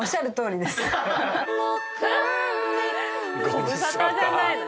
「ご無沙汰」じゃないのよ。